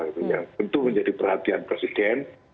tentu yang tentu menjadi perhatian presiden